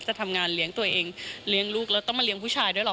จะทำงานเลี้ยงตัวเองเลี้ยงลูกแล้วต้องมาเลี้ยงผู้ชายด้วยหรอ